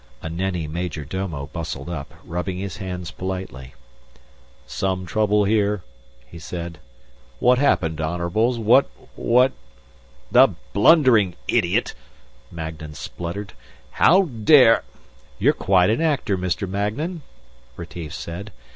A Nenni major domo bustled up, rubbing his hands politely. "Some trouble here?" he said. "What happened, Honorables, what, what...." "The blundering idiot," Magnan spluttered. "How dare " "You're quite an actor, Mr. Magnan," Retief said.